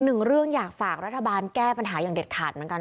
หนึ่งเรื่องอยากฝากรัฐบาลแก้ปัญหาอย่างเด็ดขาดเหมือนกัน